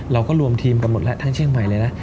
เราก็รวมทีมกันหมดแล้วทั้งเชียงใหม่เลยนะ